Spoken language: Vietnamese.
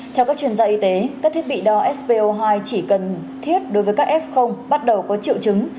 theo các chuyên gia y tế các thiết bị đo sco hai chỉ cần thiết đối với các f bắt đầu có triệu chứng